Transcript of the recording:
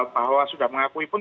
bahwa sudah mengakui pun